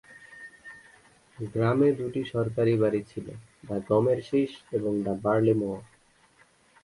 গ্রামে দুটি সরকারি বাড়ি ছিল, দ্য গমের শীষ এবং দ্য বার্লি ম।